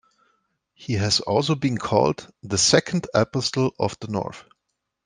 He has also been called "the second Apostle of the North".